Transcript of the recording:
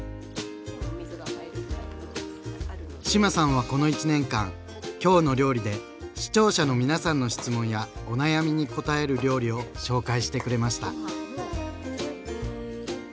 志麻さんはこの１年間「きょうの料理」で視聴者の皆さんの質問やお悩みに答える料理を紹介してくれました。